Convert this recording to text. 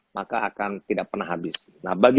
maka akan tidak pernah habis nah bagi